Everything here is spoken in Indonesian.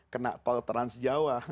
kena tol trans jawa